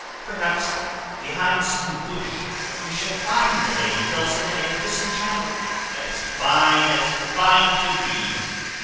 Perhaps behind some bush we shall find the lady Dulcinea disenchanted, as fine as fine can be.